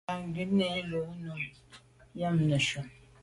Kà ghùtni wul o num nu yàm neshu.